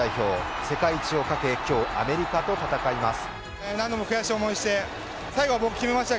世界一をかけ、今日アメリカと戦います。